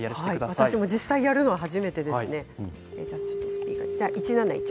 私も実際やるのは初めてです。